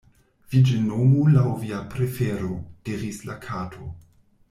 "Vi ĝin nomu laŭ via prefero," diris la Kato.